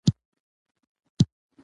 لوستې میندې د ماشوم پر روزنه باور لري.